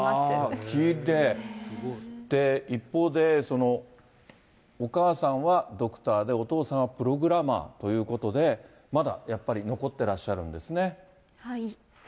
一方で、お母さんはドクターで、お父さんはプログラマーということで、まだやっぱり残ってらっしゃるんですね。はい。